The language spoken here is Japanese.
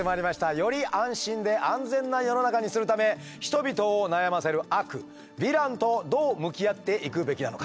より安心で安全な世の中にするため人々を悩ませる悪ヴィランとどう向き合っていくべきなのか。